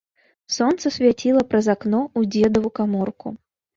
Сонца свяціла праз акно ў дзедаву каморку.